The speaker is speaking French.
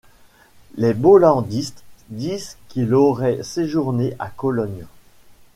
Les Bollandistes disent qu'il aurait séjourné à Cologne.